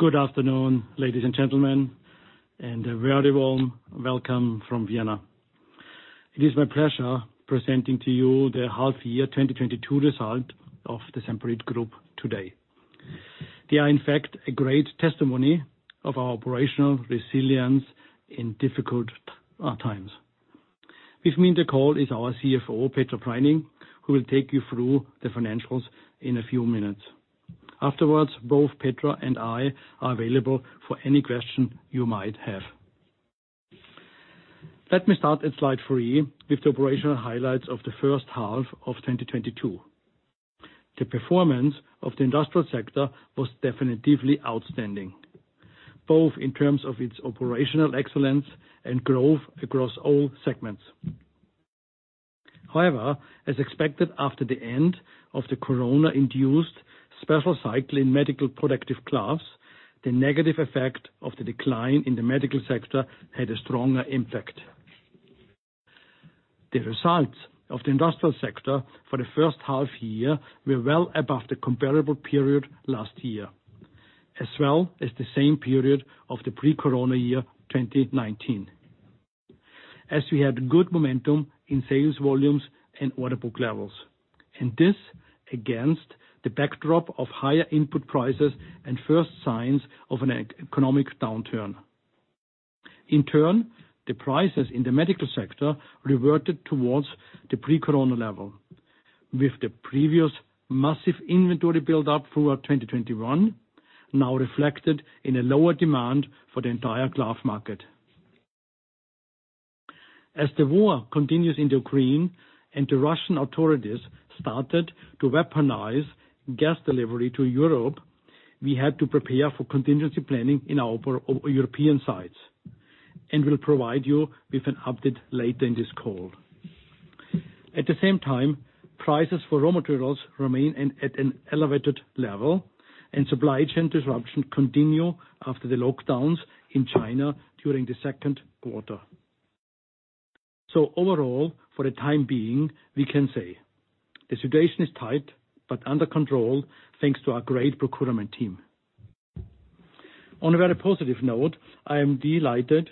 Good afternoon, ladies and gentlemen, and a very warm welcome from Vienna. It is my pleasure presenting to you the half year 2022 result of the Semperit Group today. They are, in fact, a great testimony of our operational resilience in difficult times. With me in the call is our CFO, Petra Preining, who will take you through the financials in a few minutes. Afterwards, both Petra and I are available for any question you might have. Let me start at slide three with the operational highlights of the first half of 2022. The performance of the industrial sector was definitively outstanding, both in terms of its operational excellence and growth across all segments. However, as expected after the end of the corona-induced special cycle in medical protective gloves, the negative effect of the decline in the medical sector had a stronger impact. The results of the industrial sector for the first half year were well above the comparable period last year, as well as the same period of the pre-corona year, 2019, as we had good momentum in sales volumes and order book levels, and this against the backdrop of higher input prices and first signs of an economic downturn. In turn, the prices in the medical sector reverted towards the pre-corona level, with the previous massive inventory buildup throughout 2021 now reflected in a lower demand for the entire glove market. As the war continues in the Ukraine and the Russian authorities started to weaponize gas delivery to Europe, we had to prepare for contingency planning in our European sites, and will provide you with an update later in this call. At the same time, prices for raw materials remain at an elevated level, and supply chain disruptions continue after the lockdowns in China during the second quarter. Overall, for the time being, we can say the situation is tight, but under control, thanks to our great procurement team. On a very positive note, I am delighted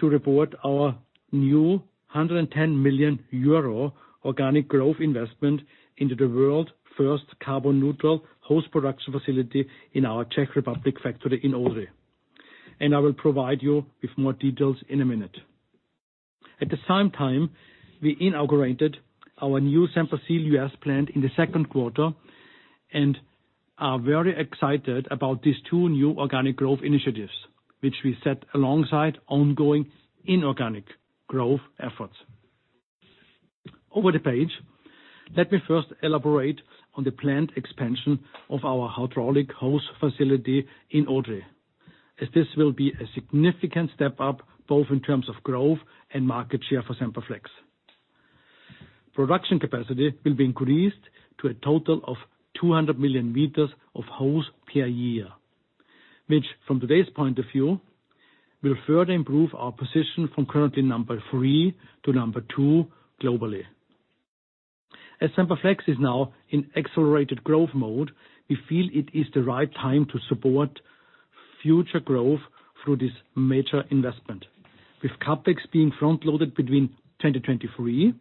to report our new 110 million euro organic growth investment into the world's first carbon neutral hose production facility in our Czech Republic factory in Odry. I will provide you with more details in a minute. At the same time, we inaugurated our new Semperseal U.S. plant in the second quarter and are very excited about these two new organic growth initiatives, which we set alongside ongoing inorganic growth efforts. Over the page, let me first elaborate on the plant expansion of our hydraulic hose facility in Odry, as this will be a significant step up, both in terms of growth and market share for Semperflex. Production capacity will be increased to a total of 200 million meters of hose per year, which, from today's point of view, will further improve our position from currently number 3 to number 2 globally. As Semperflex is now in accelerated growth mode, we feel it is the right time to support future growth through this major investment, with CapEx being front-loaded between 2023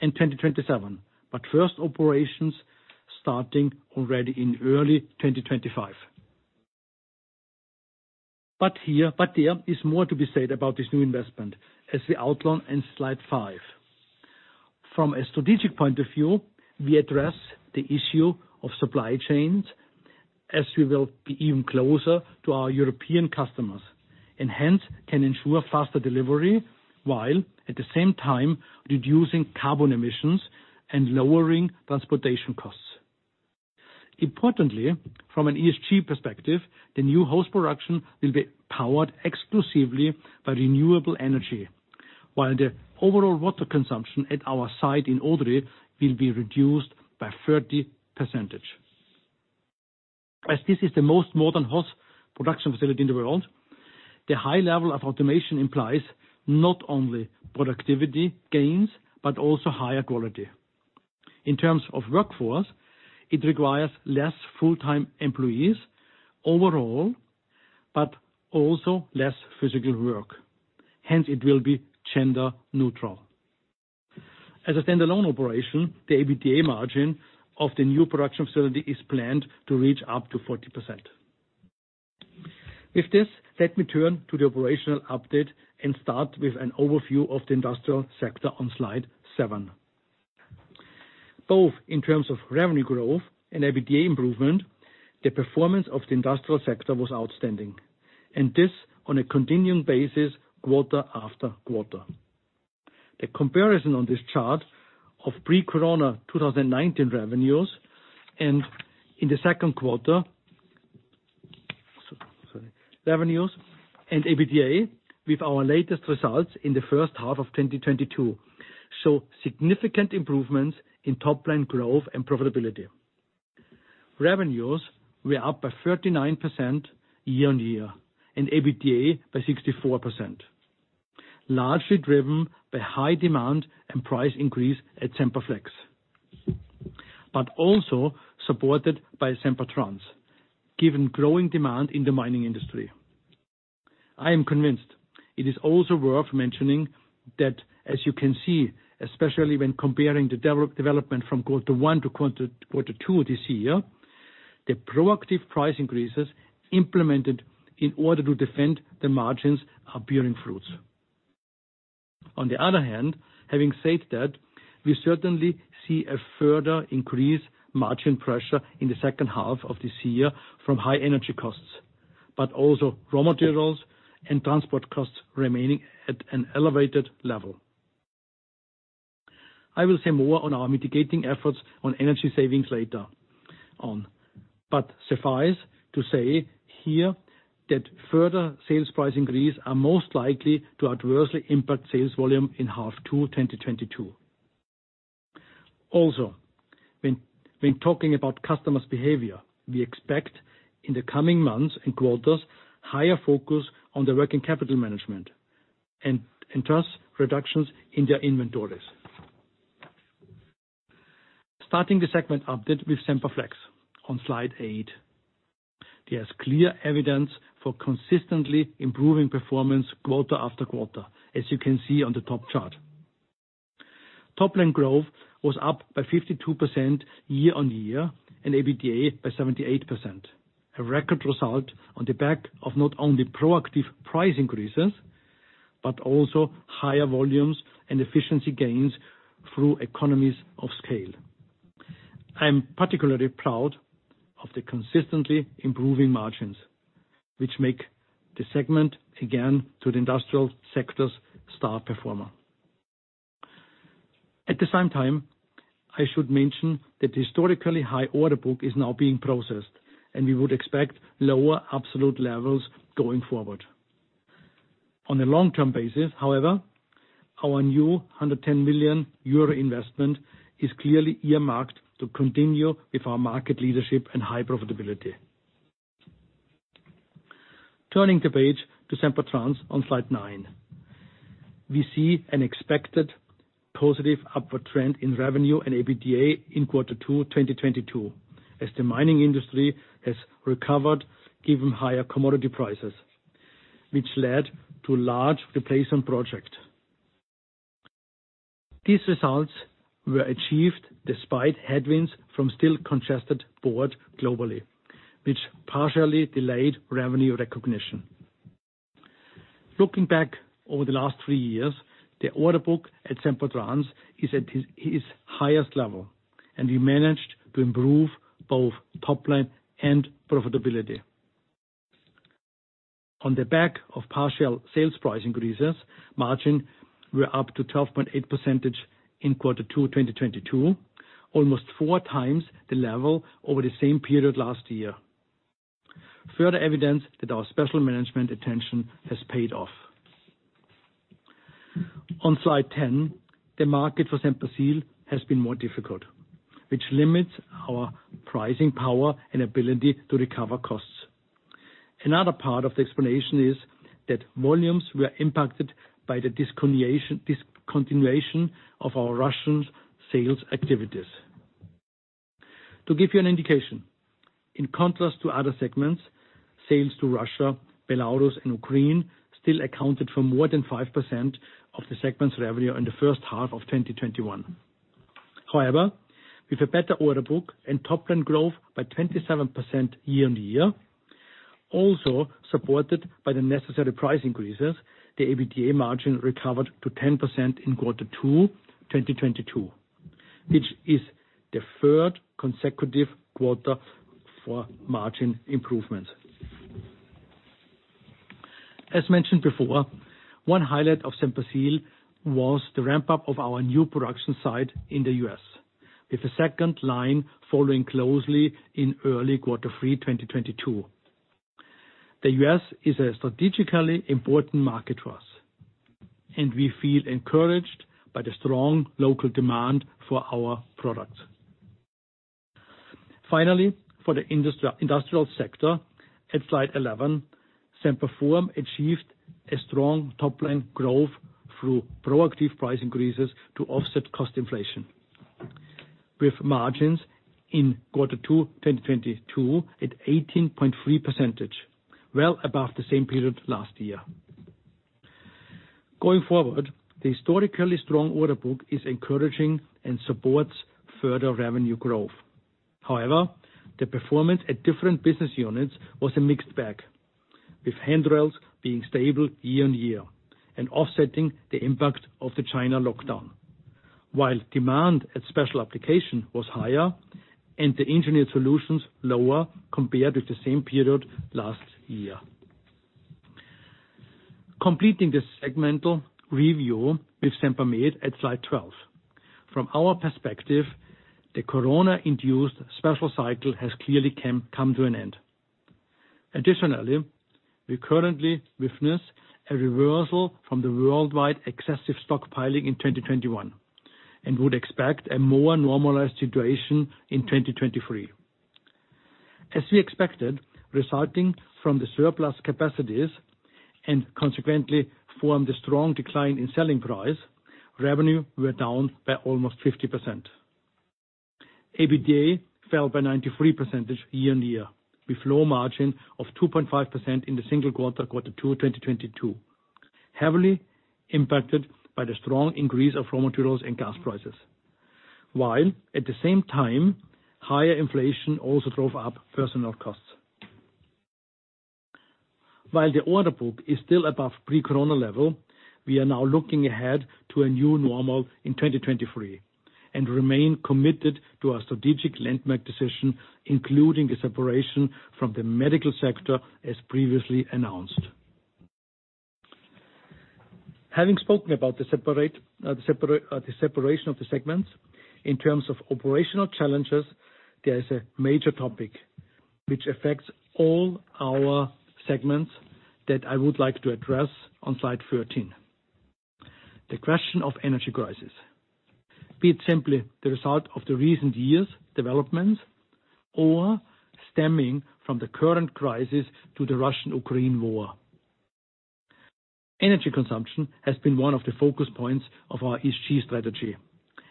and 2027, but first operations starting already in early 2025. There is more to be said about this new investment, as we outline in slide five. From a strategic point of view, we address the issue of supply chains, as we will be even closer to our European customers and hence can ensure faster delivery, while at the same time reducing carbon emissions and lowering transportation costs. Importantly, from an ESG perspective, the new hose production will be powered exclusively by renewable energy, while the overall water consumption at our site in Odry will be reduced by 30%. As this is the most modern hose production facility in the world, the high level of automation implies not only productivity gains, but also higher quality. In terms of workforce, it requires less full-time employees overall, but also less physical work. Hence, it will be gender-neutral. As a standalone operation, the EBITDA margin of the new production facility is planned to reach up to 40%. With this, let me turn to the operational update and start with an overview of the industrial sector on slide seven. Both in terms of revenue growth and EBITDA improvement, the performance of the industrial sector was outstanding, and this on a continuing basis quarter after quarter. The comparison on this chart of pre-corona 2019 revenues and in the second quarter, revenues and EBITDA with our latest results in the first half of 2022 show significant improvements in top line growth and profitability. Revenues were up by 39% year-on-year and EBITDA by 64%, largely driven by high demand and price increase at Semperflex. Also supported by Sempertrans, given growing demand in the mining industry. I am convinced it is also worth mentioning that as you can see, especially when comparing the development from quarter one to quarter two this year, the proactive price increases implemented in order to defend the margins are bearing fruits. On the other hand, having said that, we certainly see a further increase margin pressure in the second half of this year from high energy costs, but also raw materials and transport costs remaining at an elevated level. I will say more on our mitigating efforts on energy savings later on. Suffice to say here that further sales price increase are most likely to adversely impact sales volume in H2 2022. Also, when talking about customers' behavior, we expect in the coming months and quarters, higher focus on the working capital management and thus reductions in their inventories. Starting the segment update with Semperflex on slide eight. There's clear evidence for consistently improving performance quarter after quarter, as you can see on the top chart. Top-line growth was up by 52% year-on-year and EBITDA by 78%. A record result on the back of not only proactive price increases, but also higher volumes and efficiency gains through economies of scale. I am particularly proud of the consistently improving margins, which make the segment again the industrial sector's star performer. At the same time, I should mention that historically high order book is now being processed, and we would expect lower absolute levels going forward. On a long-term basis, however, our new 110 million euro investment is clearly earmarked to continue with our market leadership and high profitability. Turning the page to Sempertrans on slide nine. We see an expected positive upward trend in revenue and EBITDA in quarter 2 2022, as the mining industry has recovered given higher commodity prices, which led to large replacement projects. These results were achieved despite headwinds from still congested ports globally, which partially delayed revenue recognition. Looking back over the last three years, the order book at Sempertrans is at its highest level, and we managed to improve both top line and profitability. On the back of partial sales price increases, margins were up to 12.8% in quarter 2 2022, almost four times the level over the same period last year. Further evidence that our special management attention has paid off. On slide 10, the market for Semperseal has been more difficult, which limits our pricing power and ability to recover costs. Another part of the explanation is that volumes were impacted by the discontinuation of our Russian sales activities. To give you an indication, in contrast to other segments, sales to Russia, Belarus, and Ukraine still accounted for more than 5% of the segment's revenue in the first half of 2021. However, with a better order book and top-line growth by 27% year-on-year, also supported by the necessary price increases, the EBITDA margin recovered to 10% in Q2 2022, which is the third consecutive quarter for margin improvements. As mentioned before, one highlight of Semperseal was the ramp-up of our new production site in the U.S., with a second line following closely in early Q3 2022. The U.S. is a strategically important market for us, and we feel encouraged by the strong local demand for our products. Finally, for the industrial sector at slide 11, Semperform achieved a strong top-line growth through proactive price increases to offset cost inflation, with margins in Q2 2022 at 18.3%, well above the same period last year. Going forward, the historically strong order book is encouraging and supports further revenue growth. However, the performance at different business units was a mixed bag, with handrails being stable year-on-year and offsetting the impact of the China lockdown. Demand at special applications was higher and the engineered solutions lower compared with the same period last year. Completing this segmental review with Sempermed at slide 12. From our perspective, the corona-induced special cycle has clearly come to an end. Additionally, we currently witness a reversal from the worldwide excessive stockpiling in 2021 and would expect a more normalized situation in 2023. As we expected, resulting from the surplus capacities and consequently from the strong decline in selling price, revenue were down by almost 50%. EBITDA fell by 93% year-on-year, with low margin of 2.5% in the single quarter 2, 2022. Heavily impacted by the strong increase of raw materials and gas prices. While at the same time, higher inflation also drove up personnel costs. While the order book is still above pre-corona level, we are now looking ahead to a new normal in 2023, and remain committed to our strategic landmark decision, including the separation from the medical sector as previously announced. Having spoken about the separation of the segments, in terms of operational challenges, there is a major topic which affects all our segments that I would like to address on slide 13. The question of energy crisis. Be it simply the result of the recent years developments, or stemming from the current crisis to the Russia-Ukraine war. Energy consumption has been one of the focus points of our ESG strategy,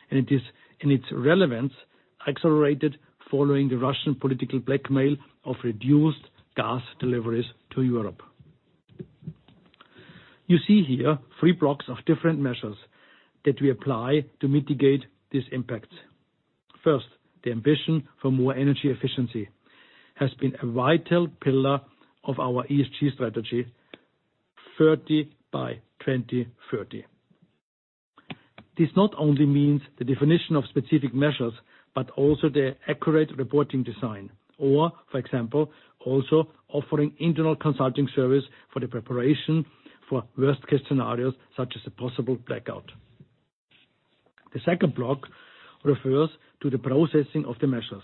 and its relevance has accelerated following the Russian political blackmail of reduced gas deliveries to Europe. You see here three blocks of different measures that we apply to mitigate these impacts. First, the ambition for more energy efficiency has been a vital pillar of our ESG strategy, 30 by 2030. This not only means the definition of specific measures, but also the accurate reporting design. For example, also offering internal consulting service for the preparation for worst case scenarios, such as a possible blackout. The second block refers to the processing of the measures,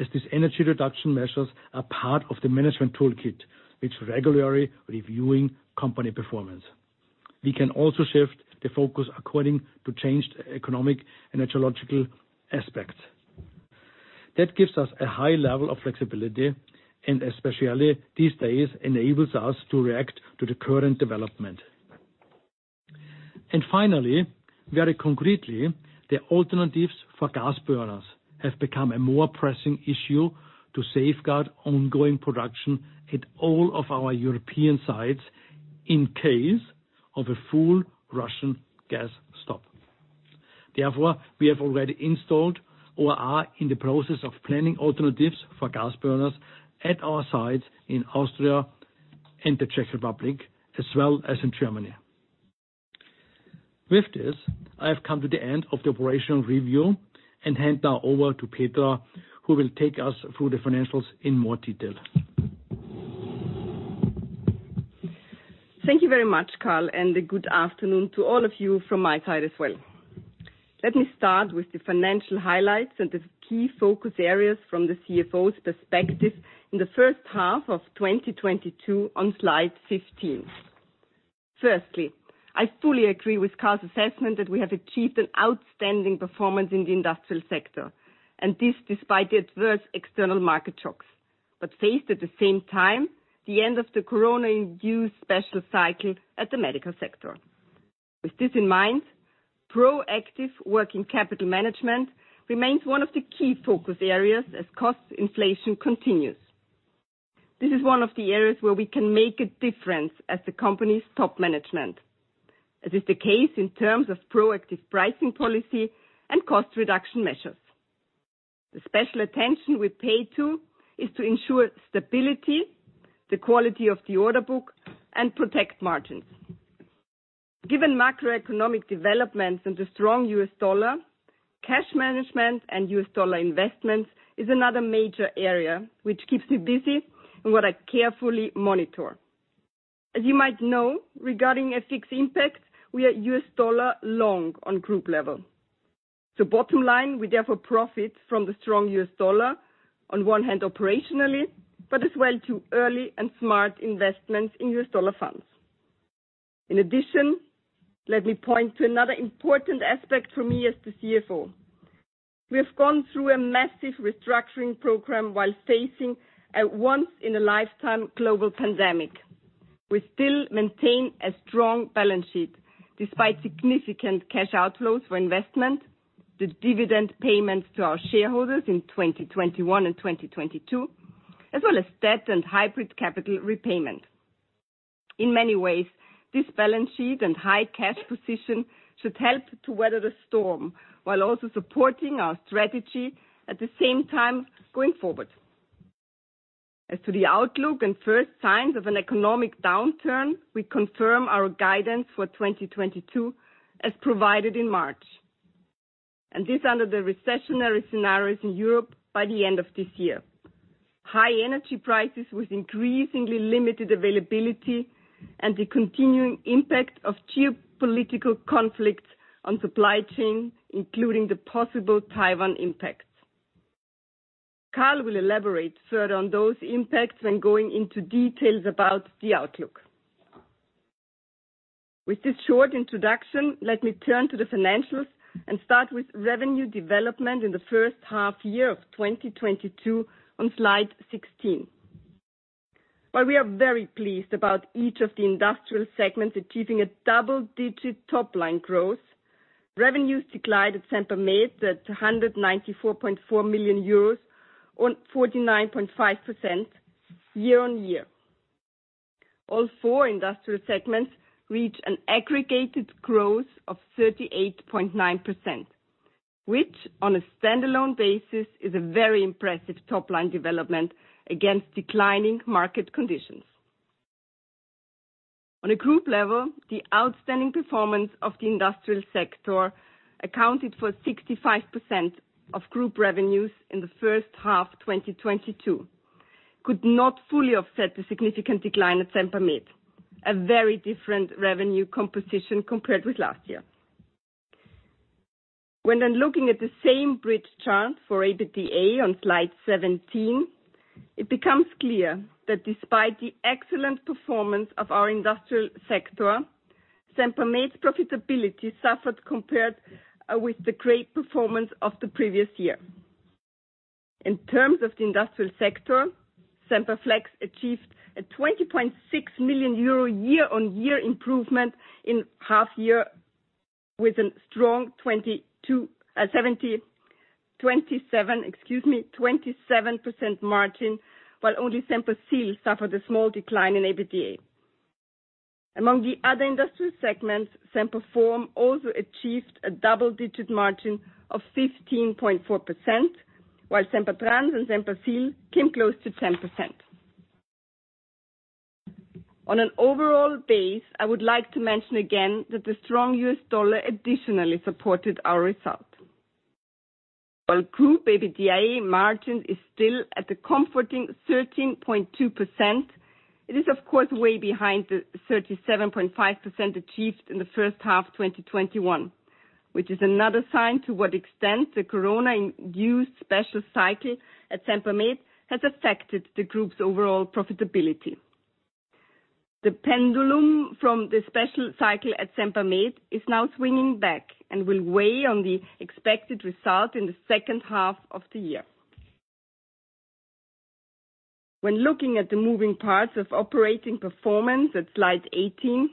as these energy reduction measures are part of the management toolkit, which regularly reviewing company performance. We can also shift the focus according to changed economic and ecological aspects. That gives us a high level of flexibility and especially these days, enables us to react to the current development. Finally, very concretely, the alternatives for gas burners have become a more pressing issue to safeguard ongoing production at all of our European sites in case of a full Russian gas stop. Therefore, we have already installed or are in the process of planning alternatives for gas burners at our sites in Austria and the Czech Republic, as well as in Germany. With this, I have come to the end of the operational review and now hand over to Petra, who will take us through the financials in more detail. Thank you very much, Karl, and a good afternoon to all of you from my side as well. Let me start with the financial highlights and the key focus areas from the CFO's perspective in the first half of 2022 on slide 15. Firstly, I fully agree with Karl's assessment that we have achieved an outstanding performance in the industrial sector, and this despite the adverse external market shocks we faced at the same time, the end of the corona-induced special cycle in the medical sector. With this in mind, proactive working capital management remains one of the key focus areas as cost inflation continues. This is one of the areas where we can make a difference as the company's top management, as is the case in terms of proactive pricing policy and cost reduction measures. The special attention we pay to is to ensure stability, the quality of the order book and protect margins. Given macroeconomic developments and the strong U.S. dollar, cash management and U.S. dollar investments is another major area which keeps me busy and what I carefully monitor. As you might know, regarding FX impact, we are U.S. dollar long on group level. Bottom line, we therefore profit from the strong U.S. dollar on one hand operationally, but as well through early and smart investments in U.S. dollar funds. In addition, let me point to another important aspect for me as the CFO. We have gone through a massive restructuring program while facing a once in a lifetime global pandemic. We still maintain a strong balance sheet despite significant cash outflows for investment, the dividend payments to our shareholders in 2021 and 2022, as well as debt and hybrid capital repayment. In many ways, this balance sheet and high cash position should help to weather the storm while also supporting our strategy at the same time going forward. As to the outlook and first signs of an economic downturn, we confirm our guidance for 2022 as provided in March. This under the recessionary scenarios in Europe by the end of this year. High energy prices with increasingly limited availability and the continuing impact of geopolitical conflicts on supply chain, including the possible Taiwan impacts. Karl will elaborate further on those impacts when going into details about the outlook. With this short introduction, let me turn to the financials and start with revenue development in the first half year of 2022 on slide 16. While we are very pleased about each of the industrial segments achieving a double-digit top-line growth, revenues declined at Sempermed to EUR 194.4 million by 49.5% year-on-year. All four industrial segments reached an aggregated growth of 38.9%, which, on a standalone basis, is a very impressive top-line development against declining market conditions. On a group level, the outstanding performance of the industrial sector accounted for 65% of group revenues in the first half 2022, could not fully offset the significant decline at Sempermed, a very different revenue composition compared with last year. When looking at the same bridge chart for EBITDA on slide 17, it becomes clear that despite the excellent performance of our industrial sector, Sempermed's profitability suffered compared with the great performance of the previous year. In terms of the industrial sector, Semperflex achieved a 20.6 million euro year-on-year improvement in half year with a strong 27% margin, while only Semperseal suffered a small decline in EBITDA. Among the other industrial segments, Semperform also achieved a double-digit margin of 15.4%, while Sempertrans and Semperseal came close to 10%. On an overall basis, I would like to mention again that the strong U.S. dollar additionally supported our result. While group EBITDA margin is still at a comforting 13.2%, it is of course way behind the 37.5% achieved in the first half of 2021. Which is another sign to what extent the Corona-induced special cycle at Sempermed has affected the group's overall profitability. The pendulum from the special cycle at Sempermed is now swinging back and will weigh on the expected result in the second half of the year. When looking at the moving parts of operating performance at slide 18,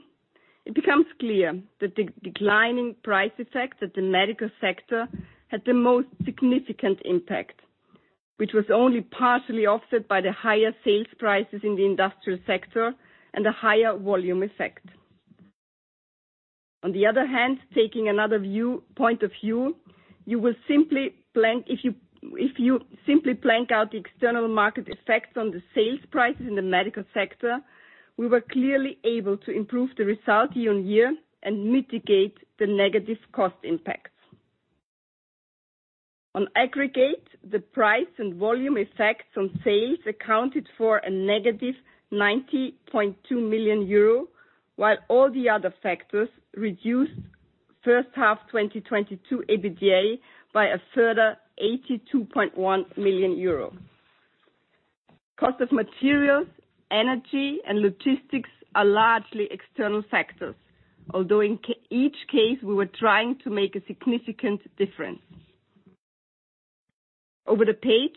it becomes clear that the declining price effect at the medical sector had the most significant impact, which was only partially offset by the higher sales prices in the industrial sector and the higher volume effect. On the other hand, taking another view, point of view, if you simply blank out the external market effects on the sales prices in the medical sector, we were clearly able to improve the result year-on-year and mitigate the negative cost impacts. On aggregate, the price and volume effects on sales accounted for a negative 90.2 million euro, while all the other factors reduced first half 2022 EBITDA by a further 82.1 million euro. Cost of materials, energy, and logistics are largely external factors. Although in each case, we were trying to make a significant difference. Over the page,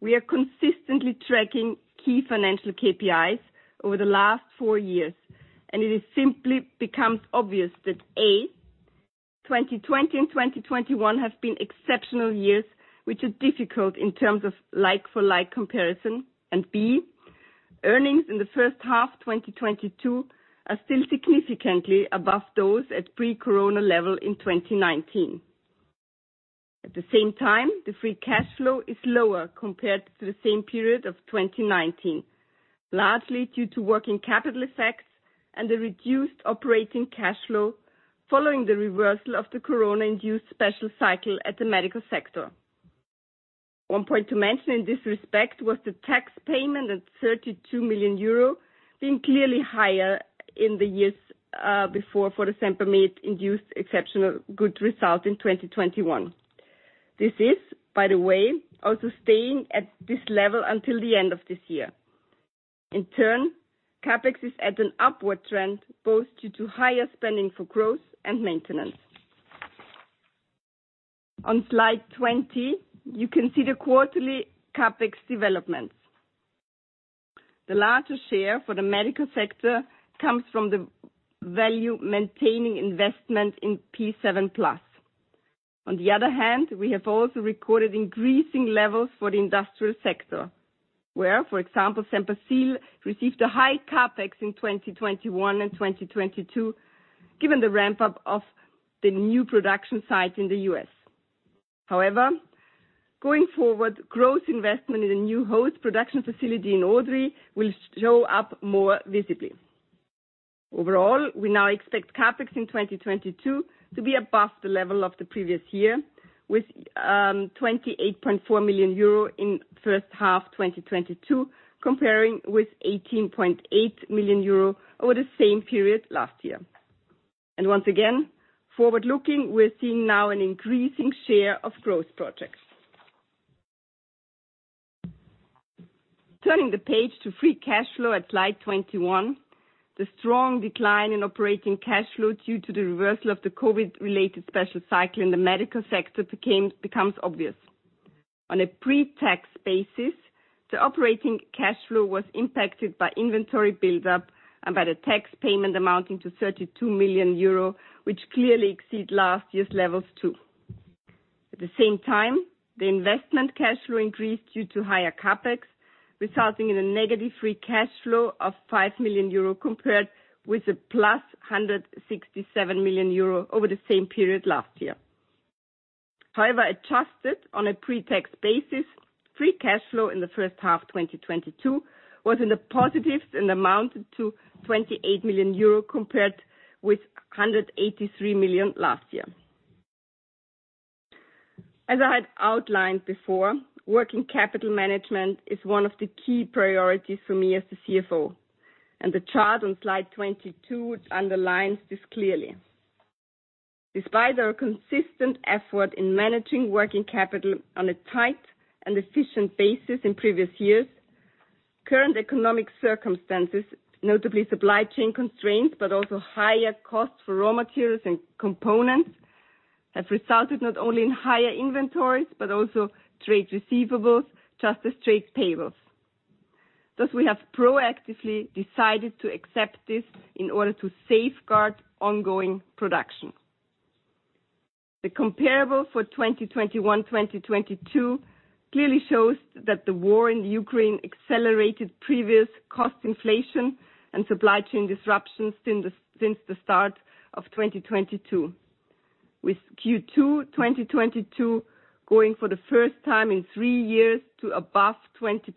we are consistently tracking key financial KPIs over the last four years, and it simply becomes obvious that, A, 2020 and 2021 have been exceptional years, which are difficult in terms of like for like comparison. B, earnings in the first half 2022 are still significantly above those at pre-corona level in 2019. At the same time, the free cash flow is lower compared to the same period of 2019, largely due to working capital effects and the reduced operating cash flow following the reversal of the Corona-induced special cycle at the medical sector. One point to mention in this respect was the tax payment of 32 million euro being clearly higher in the years before for the Sempermed-induced exceptional good result in 2021. This is, by the way, also staying at this level until the end of this year. In turn, CapEx is at an upward trend, both due to higher spending for growth and maintenance. On slide 20, you can see the quarterly CapEx developments. The larger share for the medical sector comes from the value maintaining investment in P7Plus. On the other hand, we have also recorded increasing levels for the industrial sector, where, for example, Semperseal received a high CapEx in 2021 and 2022, given the ramp-up of the new production site in the U.S. However, going forward, growth investment in a new hose production facility in Odry will show up more visibly. Overall, we now expect CapEx in 2022 to be above the level of the previous year with 28.4 million euro in first half 2022 comparing with 18.8 million euro over the same period last year. Once again, forward-looking, we're seeing now an increasing share of growth projects. Turning the page to free cash flow at slide 21, the strong decline in operating cash flow due to the reversal of the COVID related special cycle in the medical sector becomes obvious. On a pre-tax basis, the operating cash flow was impacted by inventory build-up and by the tax payment amounting to 32 million euro, which clearly exceed last year's levels too. At the same time, the investment cash flow increased due to higher CapEx, resulting in a negative free cash flow of 5 million euro, compared with the +167 million euro over the same period last year. However, adjusted on a pre-tax basis, free cash flow in the first half, 2022 was in the positives and amounted to 28 million euro, compared with 183 million last year. As I had outlined before, working capital management is one of the key priorities for me as the CFO, and the chart on slide 22 underlines this clearly. Despite our consistent effort in managing working capital on a tight and efficient basis in previous years, current economic circumstances, notably supply chain constraints, but also higher costs for raw materials and components, have resulted not only in higher inventories, but also trade receivables, just as trade payables. Thus, we have proactively decided to accept this in order to safeguard ongoing production. The comparable for 2021, 2022 clearly shows that the war in Ukraine accelerated previous cost inflation and supply chain disruptions since the start of 2022, with Q2 2022 going for the first time in three years to above 20%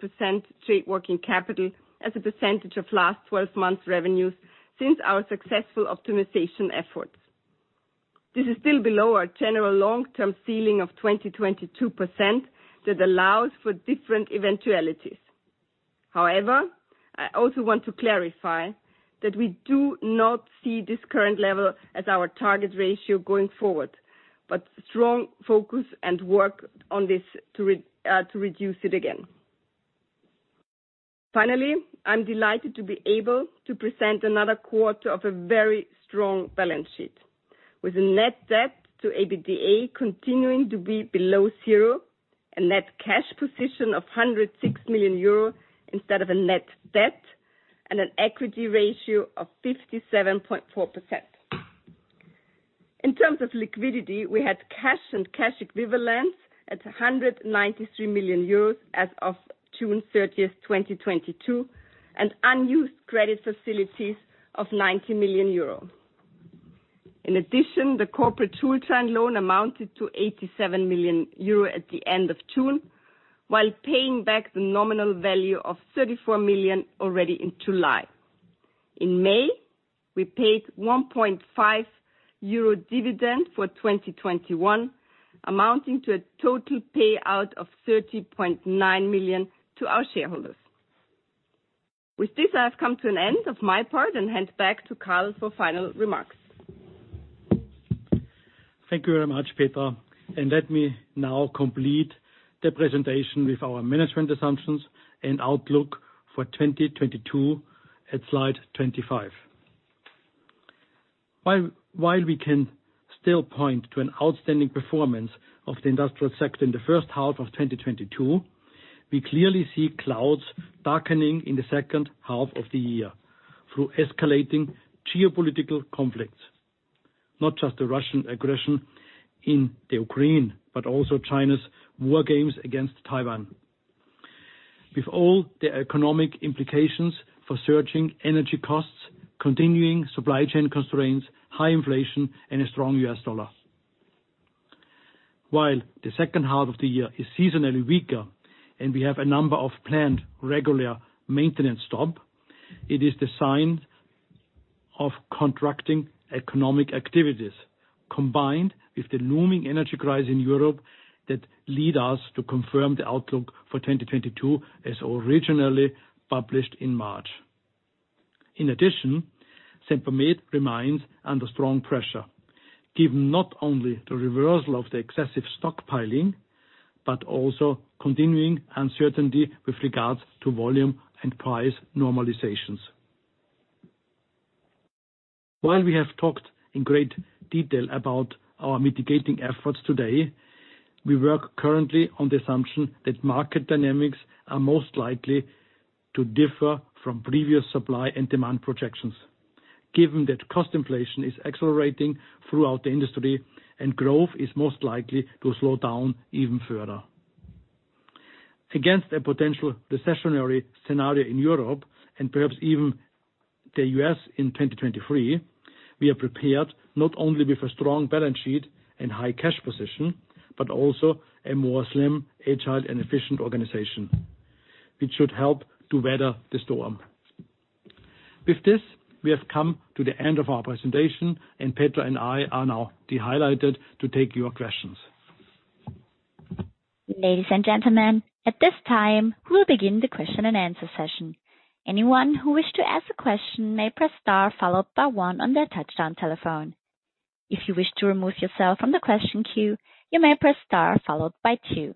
trade working capital as a percentage of last 12 months revenues since our successful optimization efforts. This is still below our general long-term ceiling of 22% that allows for different eventualities. However, I also want to clarify that we do not see this current level as our target ratio going forward, but strong focus and work on this to reduce it again. Finally, I'm delighted to be able to present another quarter of a very strong balance sheet. With a Net Debt to EBITDA continuing to be below zero, a net cash position of 106 million euro instead of a net debt, and an equity ratio of 57.4%. In terms of liquidity, we had cash and cash equivalents at 193 million euros as of June 30, 2022, and unused credit facilities of 90 million euro. In addition, the corporate Schuldschein loan amounted to 87 million euro at the end of June, while paying back the nominal value of 34 million already in July. In May, we paid 1.5 euro dividend for 2021, amounting to a total payout of 30.9 million to our shareholders. With this, I have come to an end of my part and hand back to Karl for final remarks. Thank you very much, Petra. Let me now complete the presentation with our management assumptions and outlook for 2022 at slide 25. While we can still point to an outstanding performance of the industrial sector in the first half of 2022, we clearly see clouds darkening in the second half of the year through escalating geopolitical conflicts. Not just the Russian aggression in the Ukraine, but also China's war games against Taiwan. With all the economic implications for surging energy costs, continuing supply chain constraints, high inflation, and a strong U.S. dollar. While the second half of the year is seasonally weaker and we have a number of planned regular maintenance stop, it is the sign of contracting economic activities, combined with the looming energy crisis in Europe that lead us to confirm the outlook for 2022 as originally published in March. In addition, Sempermed remains under strong pressure, given not only the reversal of the excessive stockpiling, but also continuing uncertainty with regards to volume and price normalizations. While we have talked in great detail about our mitigating efforts today, we work currently on the assumption that market dynamics are most likely to differ from previous supply and demand projections, given that cost inflation is accelerating throughout the industry and growth is most likely to slow down even further. Against a potential recessionary scenario in Europe, and perhaps even the U.S. in 2023, we are prepared not only with a strong balance sheet and high cash position, but also a more slim, agile, and efficient organization, which should help to weather the storm. With this, we have come to the end of our presentation, and Petra and I are now delighted to take your questions. Ladies and gentlemen, at this time, we'll begin the question and answer session. Anyone who wished to ask a question may press star followed by one on their touch-tone telephone. If you wish to remove yourself from the question queue, you may press star followed by two.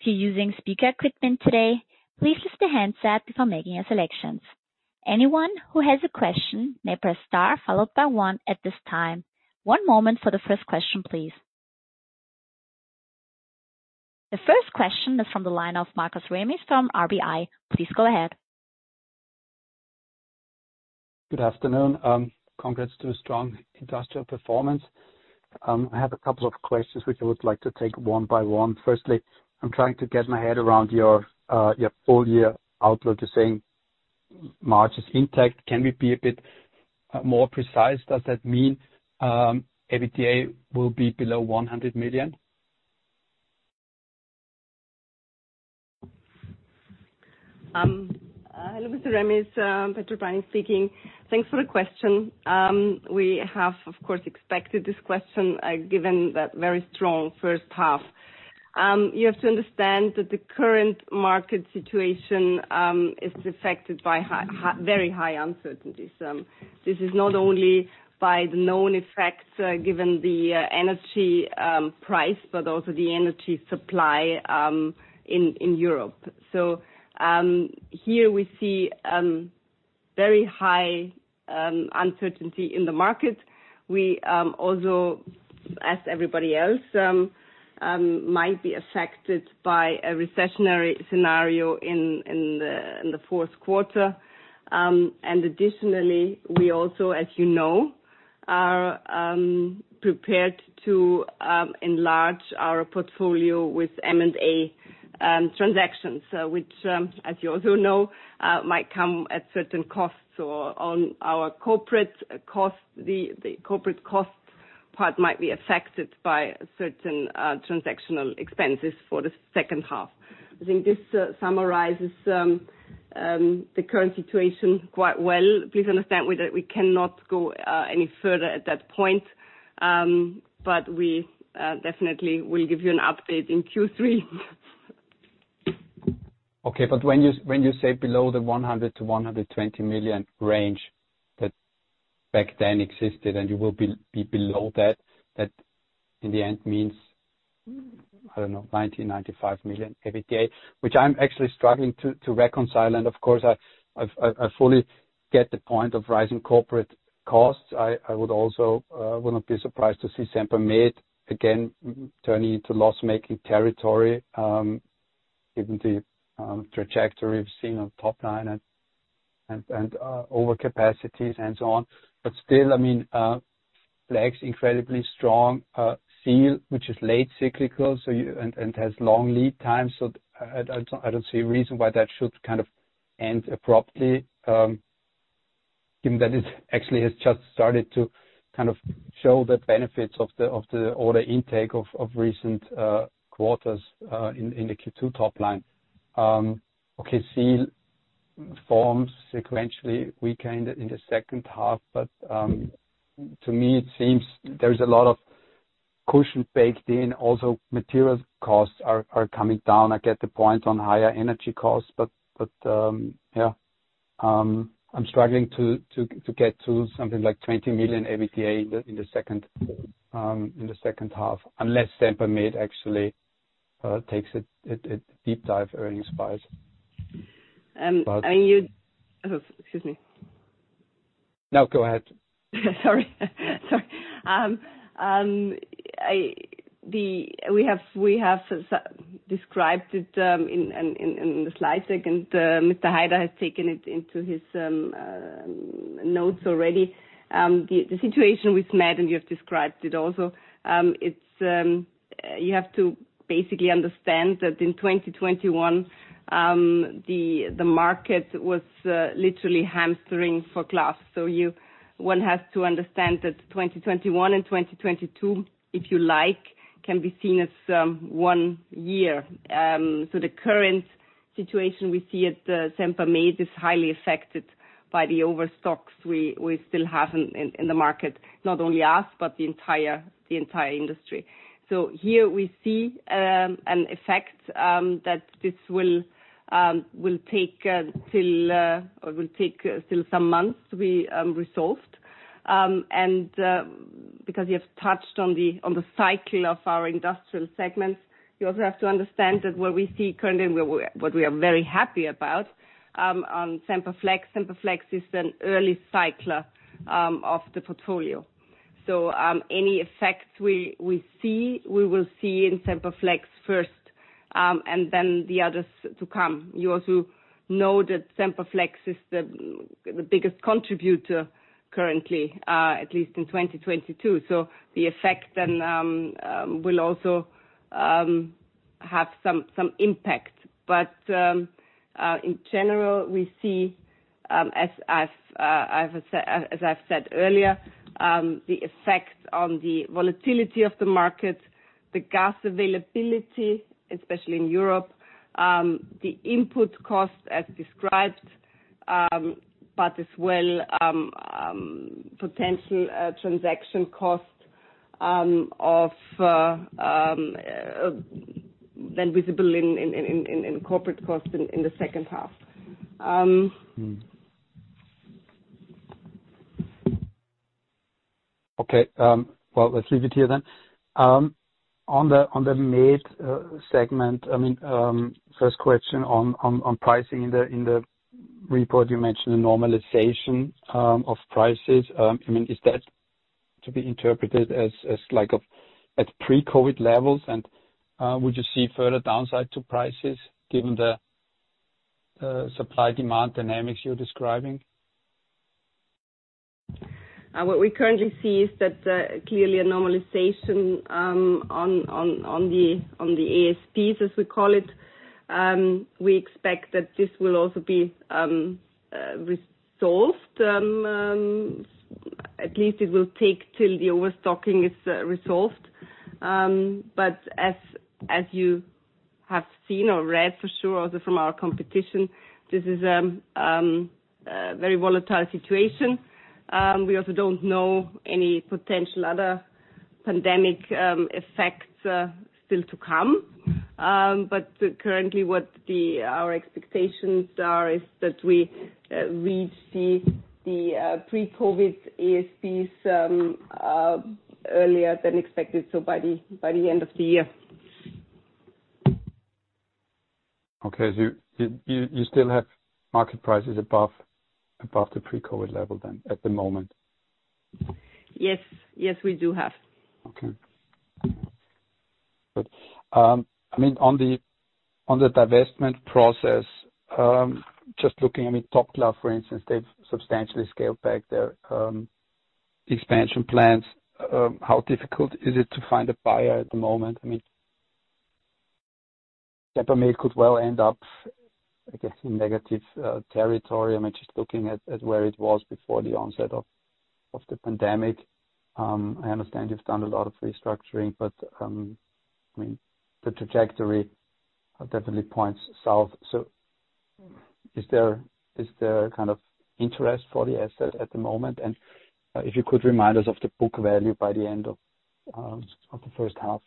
If you're using speaker equipment today, please lift the handset before making your selections. Anyone who has a question may press star followed by one at this time. One moment for the first question, please. The first question is from the line of Markus Remis from RBI. Please go ahead. Good afternoon. Congrats to a strong industrial performance. I have a couple of questions which I would like to take one by one. Firstly, I'm trying to get my head around your full year outlook. You're saying margins intact. Can we be a bit more precise? Does that mean EBITDA will be below 100 million? Hello, Mr. Remis, Petra Preining speaking. Thanks for the question. We have, of course, expected this question, given that very strong first half. You have to understand that the current market situation is affected by very high uncertainty. This is not only by the known effects, given the energy price, but also the energy supply in Europe. Here we see very high uncertainty in the market. We also, as everybody else, might be affected by a recessionary scenario in the fourth quarter. Additionally, we also, as you know, are prepared to enlarge our portfolio with M&A transactions, which, as you also know, might come at certain costs or on our corporate cost, the corporate cost part might be affected by certain transactional expenses for the second half. I think this summarizes the current situation quite well. Please understand that we cannot go any further at that point, but we definitely will give you an update in Q3. Okay, when you say below the 100 million-120 million range that back then existed, and you will be below that in the end means, I don't know, 90 million-95 million EBITDA, which I'm actually struggling to reconcile. Of course, I fully get the point of rising corporate costs. I would also will not be surprised to see Sempermed again turning to loss-making territory, given the trajectory we've seen on top line and over capacities and so on. Still, I mean, Semperflex incredibly strong, Semperseal, which is late cyclical, so you has long lead times. I don't see a reason why that should kind of end abruptly, given that it actually has just started to kind of show the benefits of the order intake of recent quarters in the Q2 top line. Okay, Semperform sequentially weakened in the second half, but to me it seems there's a lot of cushion baked in. Also materials costs are coming down. I get the point on higher energy costs, but yeah. I'm struggling to get to something like 20 million EBITDA in the second half, unless Sempermed actually takes a deep dive earnings-wise. Um, and you- But- Oh, excuse me. No, go ahead. Sorry. We have described it in the slide deck, and Mr. Heider has taken it into his notes already. The situation with Sempermed, and you have described it also. It's you have to basically understand that in 2021 the market was literally hamstrung for gloves. One has to understand that 2021 and 2022, if you like, can be seen as one year. The current situation we see at Sempermed is highly affected by the overstocks we still have in the market. Not only us, but the entire industry. Here we see an effect that this will take till some months to be resolved. Because you have touched on the cycle of our industrial segments, you also have to understand that what we see currently and what we are very happy about on Semperflex. Semperflex is an early cycler of the portfolio. Any effects we see we will see in Semperflex first, and then the others to come. You also know that Semperflex is the biggest contributor currently, at least in 2022. The effect then will also have some impact. In general, we see, as I've said earlier, the effect on the volatility of the market, the gas availability, especially in Europe, the input cost as described, but as well, potential transaction costs often visible in corporate costs in the second half. Okay. Well, let's leave it here then. On the Med segment, I mean, first question on pricing in the report, you mentioned the normalization of prices. I mean, is that to be interpreted as like at pre-COVID levels, and would you see further downside to prices given the supply-demand dynamics you're describing? What we currently see is that clearly a normalization on the ASP, as we call it. We expect that this will also be resolved, at least it will take till the overstocking is resolved. As you have seen or read for sure also from our competition, this is a very volatile situation. We also don't know any potential other pandemic effects still to come. Currently what our expectations are is that we reach the pre-COVID ASP earlier than expected, so by the end of the year. Okay. You still have market prices above the pre-COVID level then at the moment? Yes. Yes, we do have. Okay. Good. I mean, on the divestment process, just looking at Top Glove, for instance, they've substantially scaled back their expansion plans. How difficult is it to find a buyer at the moment? I mean, Sempermed could well end up, I guess, in negative territory. I mean, just looking at where it was before the onset of the pandemic. I understand you've done a lot of restructuring, but I mean, the trajectory definitely points south. Is there kind of interest for the asset at the moment? If you could remind us of the book value by the end of the first half.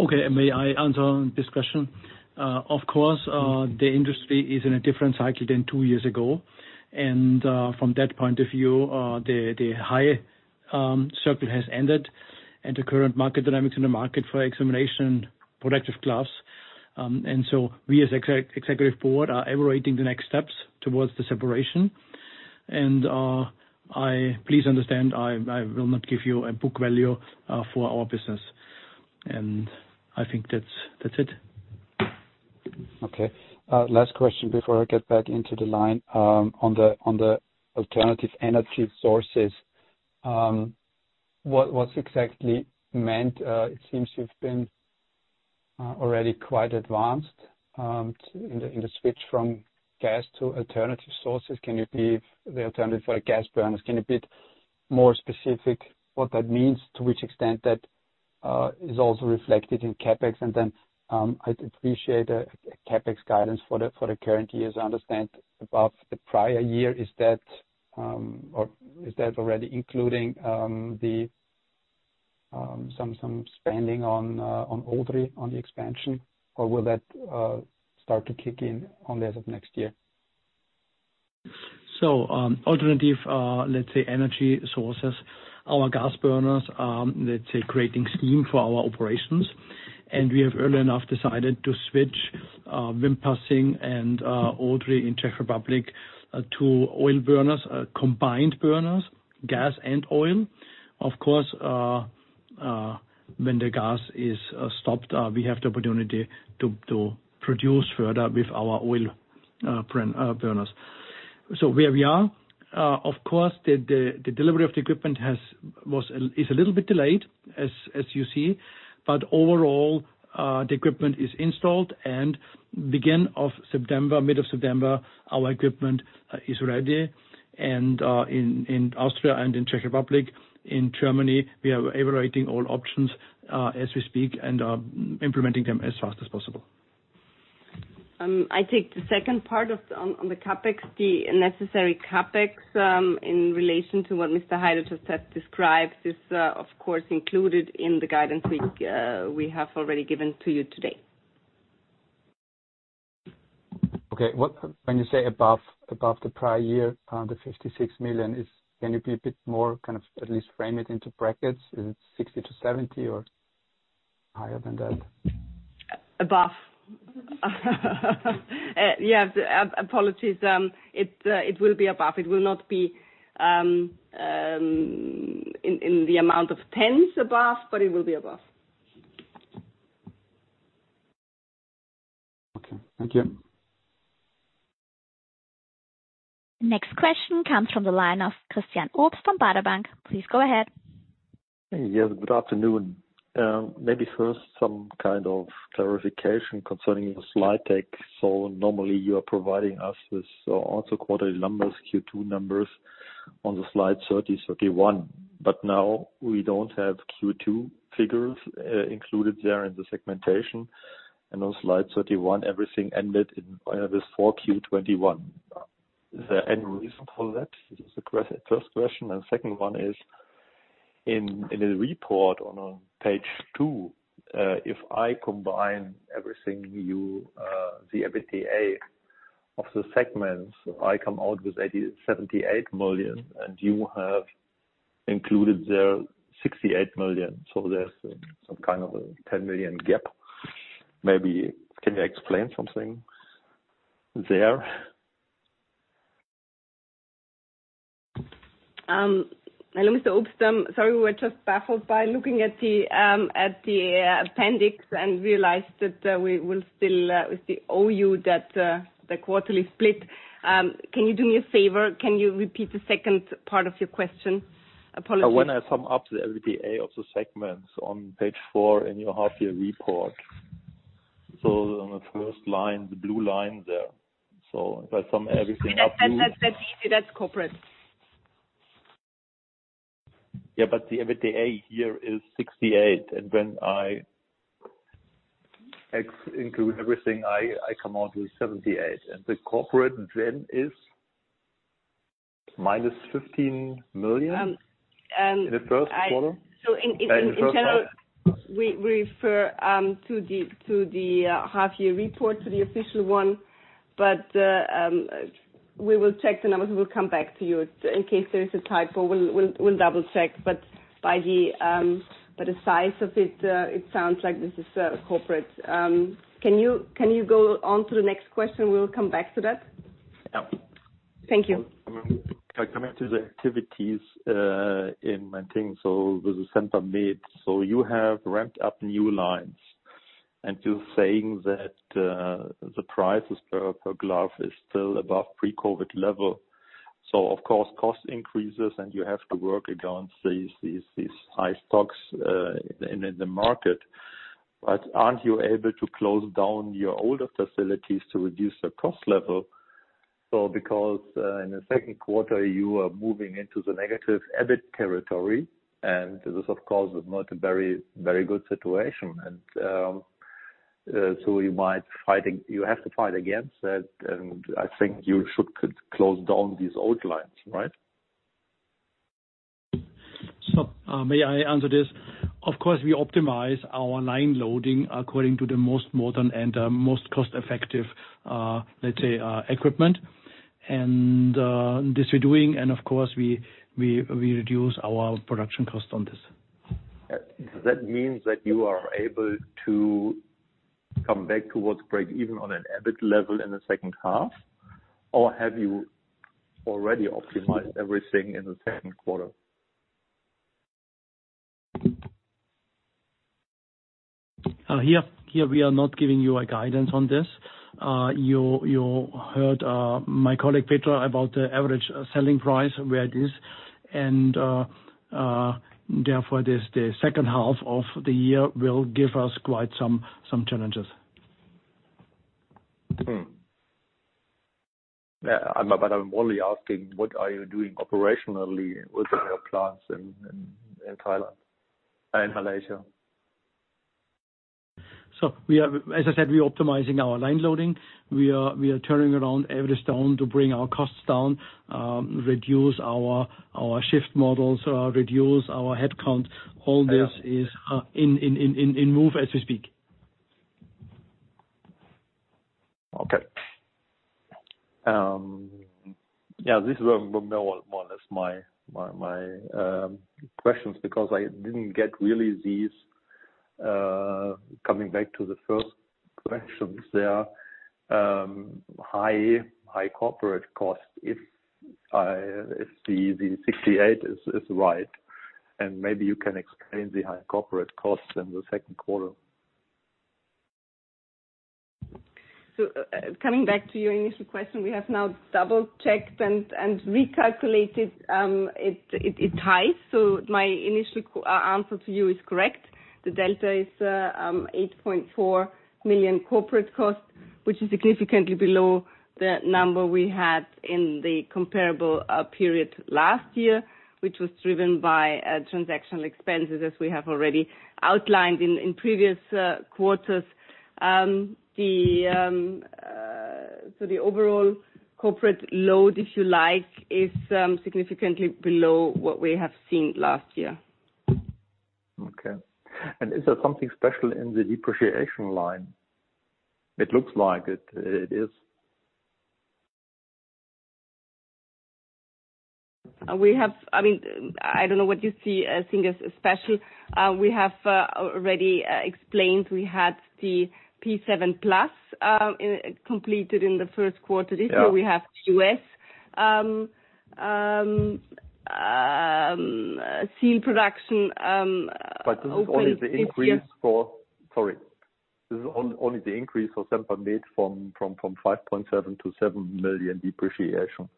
Okay. May I answer this question? Of course, the industry is in a different cycle than two years ago. From that point of view, the higher cycle has ended and the current market dynamics in the market for examination and protective gloves. We as Executive Board are evaluating the next steps towards the separation. Please understand, I will not give you a book value for our business. I think that's it. Okay. Last question before I get back into the line. On the alternative energy sources, what exactly is meant? It seems to have been already quite advanced in the switch from gas to alternative sources. Can you be the alternative for gas burners? Can you be more specific what that means, to which extent that is also reflected in CapEx? I'd appreciate CapEx guidance for the current year, as I understand, above the prior year. Is that already including some spending on Odry, on the expansion, or will that start to kick in only as of next year? Alternative energy sources. Our gas burners, let's say, decarbonization scheme for our operations. We have early enough decided to switch Wimpassing and Odry in Czech Republic to oil burners, combined burners, gas and oil. Of course, when the gas is stopped, we have the opportunity to produce further with our oil burners. Where we are, of course, the delivery of the equipment is a little bit delayed, as you see. Overall, the equipment is installed and beginning of September, mid-September, our equipment is ready. In Austria and in Czech Republic, in Germany, we are evaluating all options, as we speak, and implementing them as fast as possible. I take the second part on the CapEx. The necessary CapEx in relation to what Mr. Heider just has described is of course included in the guidance we have already given to you today. Okay. When you say above the prior year, 56 million, can you be a bit more, kind of at least frame it into brackets? Is it 60 million-70 million or higher than that? Above. Yeah, apologies. It will be above. It will not be in the amount of tens above, but it will be above. Okay. Thank you. Next question comes from the line of Christian Obst from Baader Bank. Please go ahead. Yes, good afternoon. Maybe first some kind of clarification concerning the slide deck. Normally you are providing us with also quarterly numbers, Q2 numbers on the slides 30, 31. Now we don't have Q2 figures included there in the segmentation. On slide 31, everything ended in with 4Q 2021. Is there any reason for that? This is the first question. Second one is, in the report on page two, if I combine everything you, the EBITDA of the segments, I come out with 78 million, and you have included there 68 million. There's some kind of a 10 million gap. Maybe can you explain something there? Hello, Mr. Obst. Sorry, we were just baffled by looking at the appendix and realized that we still owe you that, the quarterly split. Can you do me a favor? Can you repeat the second part of your question? Apologies. When I sum up the EBITDA of the segments on page 4 in your half-year report, so on the first line, the blue line there. If I sum everything up to. That's easy, that's corporate. The EBITDA here is 68, and when I exclude everything, I come out with 78, and the corporate then is minus 15 million. Um, um, I. In the first quarter. So in, in, in general- In the first half. We refer to the half year report, to the official one. We will check the numbers. We will come back to you in case there is a typo, we'll double-check. By the size of it sounds like this is corporate. Can you go on to the next question? We'll come back to that. Yeah. Thank you. Can I come back to the activities in manufacturing with the Sempermed. You have ramped up new lines, and you're saying that the prices per glove is still above pre-COVID level. Of course, cost increases, and you have to work against these high stocks in the market. Aren't you able to close down your older facilities to reduce the cost level? Because in the second quarter, you are moving into the negative EBIT territory, and this of course is not a very good situation. You have to fight against that, and I think you should close down these old lines, right? May I answer this? Of course, we optimize our line loading according to the most modern and most cost-effective, let's say, equipment. This we're doing and of course, we reduce our production cost on this. That means that you are able to come back towards break-even on an EBIT level in the second half? Or have you already optimized everything in the second quarter? Here we are not giving you a guidance on this. You heard my colleague Petra about the average selling price, where it is. Therefore, the second half of the year will give us quite some challenges. Yeah, I'm only asking what are you doing operationally with your plants in Thailand and Malaysia? As I said, we're optimizing our line loading. We are turning over every stone to bring our costs down, reduce our shift models, reduce our headcount. All this is in motion as we speak. Yeah, this is more or less my questions because I didn't really get these coming back to the first questions there. High corporate costs, if the 68 is right, and maybe you can explain the high corporate costs in the second quarter. Coming back to your initial question, we have now double-checked and recalculated. It's high. My initial answer to you is correct. The delta is 8.4 million corporate cost, which is significantly below the number we had in the comparable period last year, which was driven by transactional expenses, as we have already outlined in previous quarters. The overall corporate load, if you like, is significantly below what we have seen last year. Okay. Is there something special in the depreciation line? It looks like it is. I mean, I don't know what you see as things as special. We have already explained we had the P7 Plus completed in the first quarter. Yeah. This year we have the U.S. Semperseal production open this year. This is only the increase for Sempermed from 5.7 million-7 million depreciation.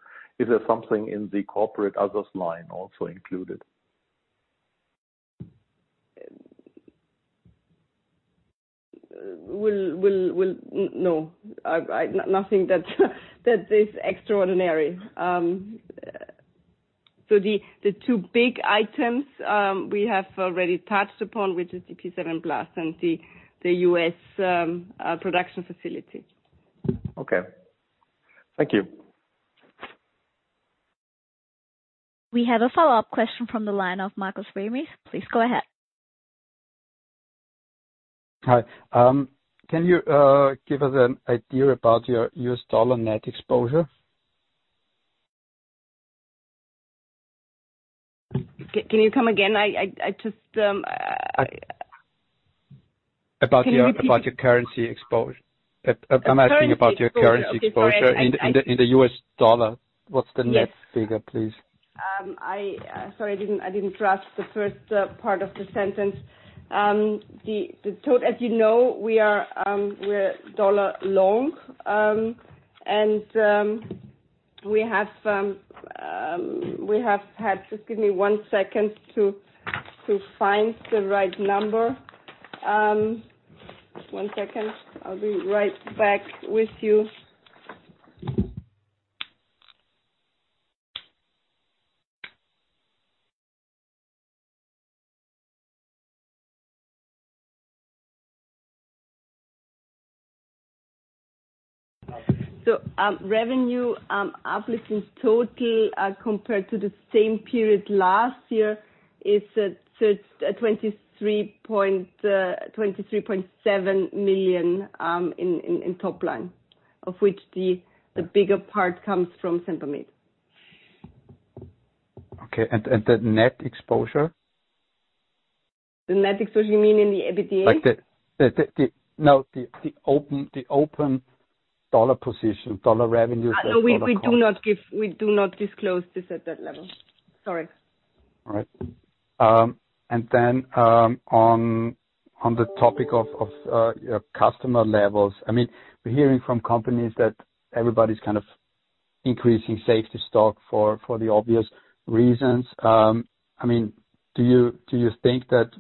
Is there something in the corporate others line also included? Nothing that's extraordinary. The two big items we have already touched upon, which is the P7 Plus and the U.S. production facility. Okay. Thank you. We have a follow-up question from the line of Markus Remis. Please go ahead. Hi. Can you give us an idea about your U.S. dollar net exposure? Can you come again? I just. About your. Can you repeat? I'm asking about your currency exposure. Currency exposure. Okay, sorry. In the U.S. dollar. What's the net figure, please? Sorry, I didn't grasp the first part of the sentence. As you know, we're dollar long. Just give me one second to find the right number. One second. I'll be right back with you. Revenue FX impact total compared to the same period last year is at, circa 23.7 million in top line. Of which the bigger part comes from Sempermed. Okay. The net exposure? The net exposure you mean in the EBITDA? Like the open dollar position, dollar revenues versus dollar costs. We do not disclose this at that level. Sorry. All right. On the topic of your customer levels. I mean, we're hearing from companies that everybody's kind of increasing safety stock for the obvious reasons. I mean, do you think that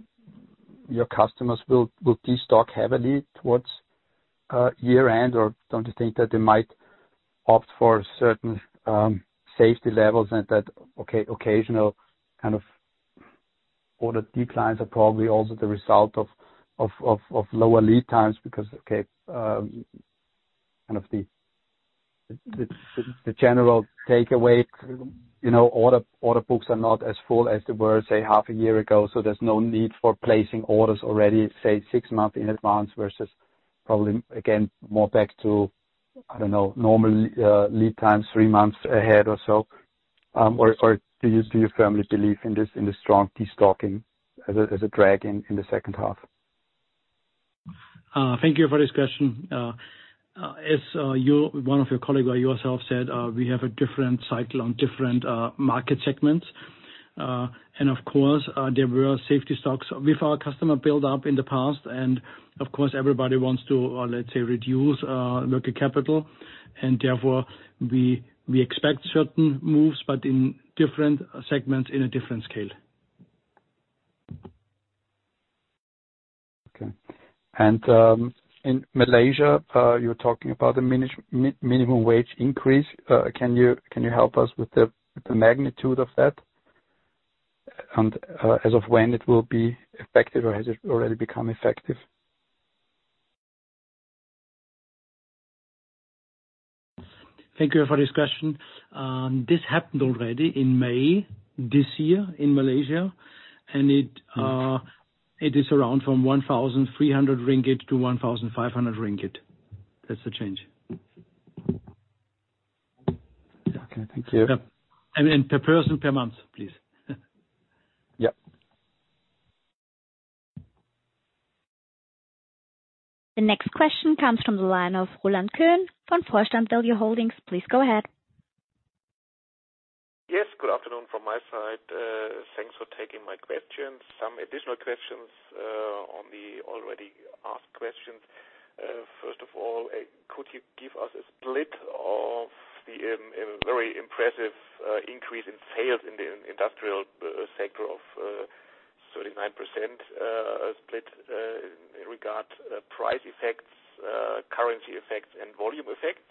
your customers will de-stock heavily towards year end? Or don't you think that they might opt for certain safety levels and that occasional kind of order declines are probably also the result of lower lead times because kind of the general takeaway, you know, order books are not as full as they were, say, half a year ago, so there's no need for placing orders already, say, six months in advance versus probably, again, more back to, I don't know, normal lead times three months ahead or so. Do you firmly believe in this, in the strong de-stocking as a drag in the second half? Thank you for this question. As you, one of your colleague or yourself said, we have a different cycle on different market segments. Of course, there were safety stocks with our customers built up in the past. Of course, everybody wants to, let's say, reduce working capital. Therefore, we expect certain moves, but in different segments on a different scale. Okay. In Malaysia, you're talking about the minimum wage increase. Can you help us with the magnitude of that, and as of when it will be effective, or has it already become effective? Thank you for this question. This happened already in May this year in Malaysia. It. Okay. It is around 1,300-1,500 ringgit. That's the change. Okay, thank you. Per person per month, please. Yeah. The next question comes from the line of Roland Gohn from 4Stand W Holdings. Please go ahead. Yes. Good afternoon from my side. Thanks for taking my questions. Some additional questions on the already asked questions. First of all, could you give us a split of the very impressive increase in sales in the industrial sector of 39%, split in regard price effects, currency effects, and volume effects?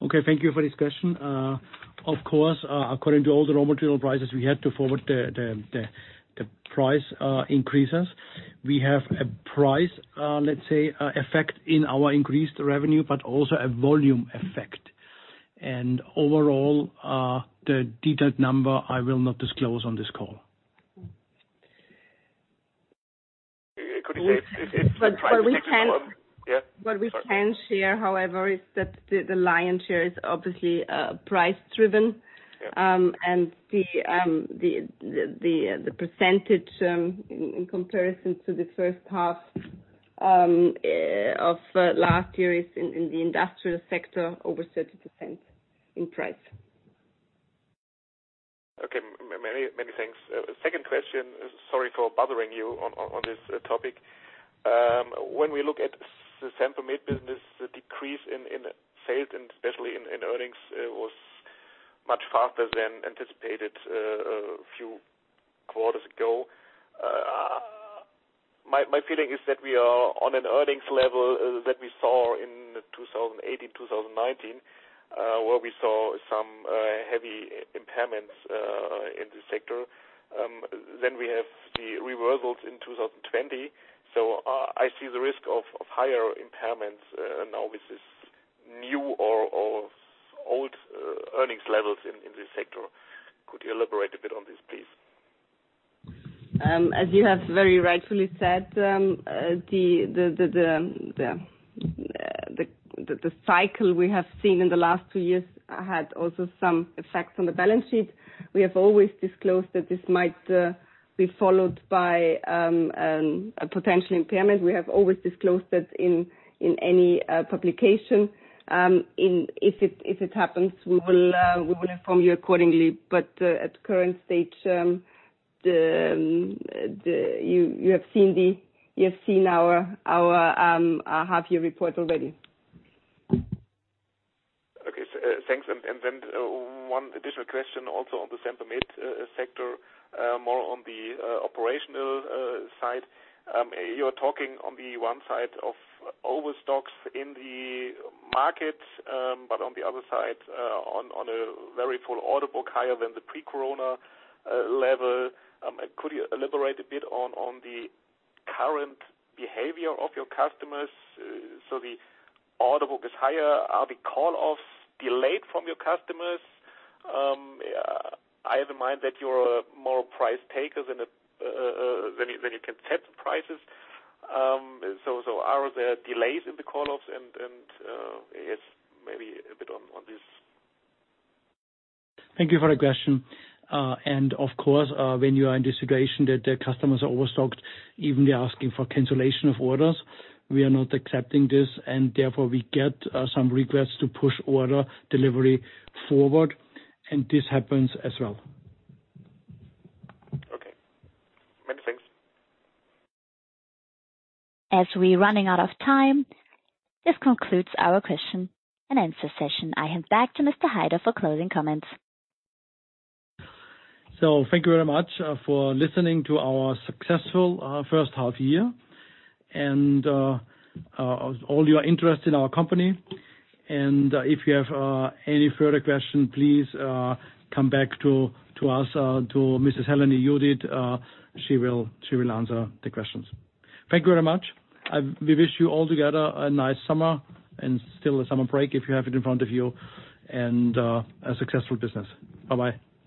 Okay, thank you for this question. Of course, according to all the raw material prices, we had to forward the price increases. We have a price, let's say, effect in our increased revenue, but also a volume effect. Overall, the detailed number I will not disclose on this call. Could you say if the price effect was? We can. Yeah. Sorry. We can share, however, is that the lion's share is obviously price-driven. Yeah. The percentage in comparison to the first half of last year is in the industrial sector over 30% in price. Okay. Many thanks. Second question. Sorry for bothering you on this topic. When we look at the Sempermed business, the decrease in sales and especially in earnings was much faster than anticipated a few quarters ago. My feeling is that we are on an earnings level that we saw in 2018, 2019, where we saw some heavy impairments in this sector. We have the reversals in 2020. I see the risk of higher impairments now with this new or old earnings levels in this sector. Could you elaborate a bit on this, please? As you have very rightfully said, the cycle we have seen in the last two years had also some effects on the balance sheet. We have always disclosed that this might be followed by a potential impairment. We have always disclosed that in any publication. If it happens, we will inform you accordingly. But at the current stage, you have seen our half-year report already. Okay. Thanks. Then one additional question also on the Sempermed sector, more on the operational side. You're talking on the one side of overstocks in the market, but on the other side, on a very full order book, higher than the pre-corona level. Could you elaborate a bit on the current behavior of your customers? The order book is higher. Are the call-offs delayed from your customers? I have in mind that you're more price takers than you can set the prices. Are there delays in the call-offs? Yes, maybe a bit on this. Thank you for the question. Of course, when you are in the situation that the customers are overstocked, even they're asking for cancellation of orders, we are not accepting this, and therefore we get some requests to push order delivery forward, and this happens as well. Okay. Many thanks. As we're running out of time, this concludes our question and answer session. I hand back to Mr. Heider for closing comments. Thank you very much for listening to our successful first half year and all your interest in our company. If you have any further question, please come back to us to Mrs. Helenyi Judit. She will answer the questions. Thank you very much. We wish you all together a nice summer and still a summer break if you have it in front of you and a successful business. Bye-bye.